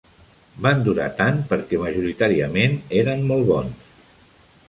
Van durar tant perquè majoritàriament eren molt bons.